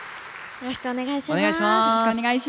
よろしくお願いします。